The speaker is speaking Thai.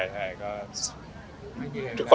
ตอนที่กองก็แซวแล้ว